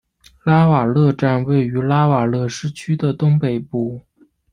拉瓦勒站位于拉瓦勒市区的东北部。